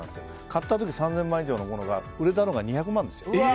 買った時は３０００万円ぐらいのものが売れたのが２００万ですよ。